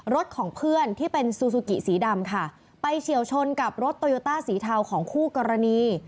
รถของเพื่อนที่เป็นซูซูกิสีดำค่ะไปเฉียวชนกับรถโตโยต้าสีเทาของคู่กรณี